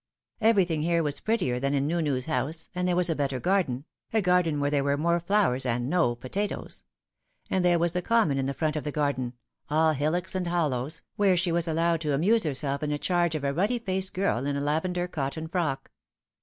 Everything here was prettier than in Nounou's house, and there was a better garden, a garden where there were more flowers and no potatoes ; and there was the common in the front of the garden, all hillocks and hollows, where she was allowed to amuse herself in charge of a ruddy faced girl in a lavender cotton frock.